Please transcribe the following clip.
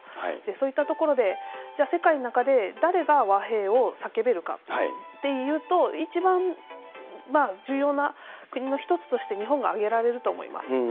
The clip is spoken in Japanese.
そういったところで、じゃあ世界の中で誰が和平を叫べるかっていうと、一番重要な国の一つとして日本が挙げられると思います。